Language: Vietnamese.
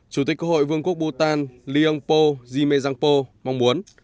chủ tịch hội vương quốc bù tàn liên âu po di mê giang po mong muốn